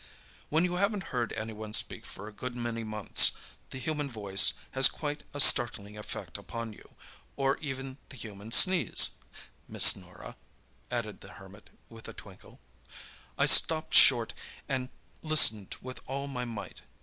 "When you haven't heard anyone speak for a good many months, the human voice has quite a startling effect upon you—or even the human sneeze, Miss Norah!" added the Hermit, with a twinkle. "I stopped short and listened with all my might.